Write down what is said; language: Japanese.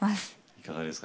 いかがですか？